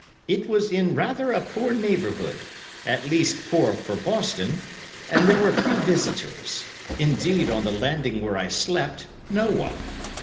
It was in rather a poor neighbourhood—at least poor for Boston—and there were few visitors; indeed, on the landing where I slept, no one.